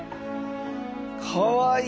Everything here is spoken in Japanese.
かわいい。